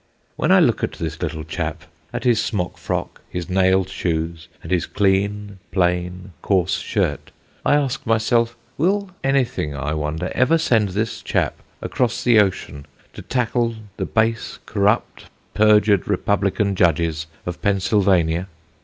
[Illustration: Rudgwick.] "When I look at this little chap at his smock frock, his nailed shoes, and his clean, plain, coarse shirt, I ask myself, will anything, I wonder, ever send this chap across the ocean to tackle the base, corrupt, perjured Republican Judges of Pennsylvania?